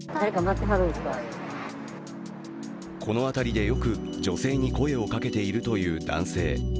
この辺りでよく女性に声をかけているという男性。